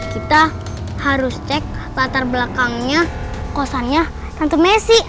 kita harus cek latar belakangnya kosannya satu messi